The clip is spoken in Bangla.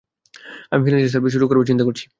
আমি ফিন্যান্সিয়াল সার্ভিস শুরু করার চিন্তা করছি।